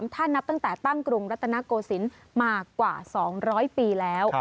ถ้านับตั้งแต่ตั้งกรุงรัตนโกศิลป์มากว่า๒๐๐ปีแล้ว